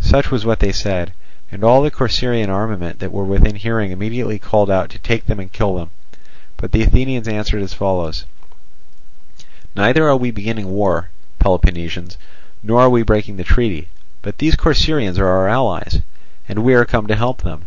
Such was what they said, and all the Corcyraean armament that were within hearing immediately called out to take them and kill them. But the Athenians answered as follows: "Neither are we beginning war, Peloponnesians, nor are we breaking the treaty; but these Corcyraeans are our allies, and we are come to help them.